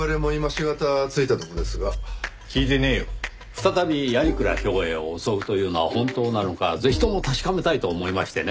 再び鑓鞍兵衛を襲うというのは本当なのかぜひとも確かめたいと思いましてね。